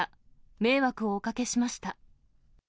迷惑をおかけしました。